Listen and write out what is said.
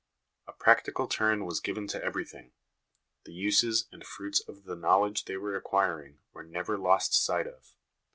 A practical turn was given to everything ; the uses and fruits of the knowledge they were acquiring were never lost sight of."